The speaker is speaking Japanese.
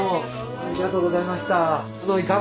ありがとうございます。